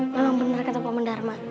memang benar kata pak man dharma